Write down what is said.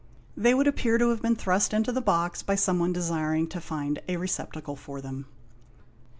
They would appear to have been thrust into the box by someone desiring to find a receptacle for them.